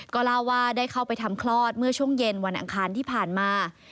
ก็เล่าว่าได้เข้าไปทำคลอดเมื่อช่วงเย็นวันอังคารที่ผ่านมา